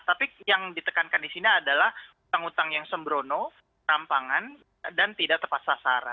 tapi yang ditekankan di sini adalah utang utang yang sembrono rampangan dan tidak tepat sasaran